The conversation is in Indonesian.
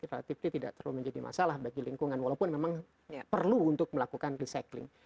relatif tidak terlalu menjadi masalah bagi lingkungan walaupun memang perlu untuk melakukan recycling